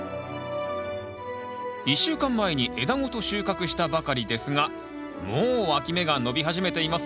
１週間前に枝ごと収穫したばかりですがもうわき芽が伸び始めています。